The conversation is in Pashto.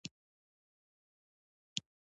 د ایران ادبیات ډیر بډایه دي.